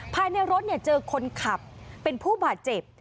ภายในรถเจอคนขับเป็นผู้บาดเจ็บ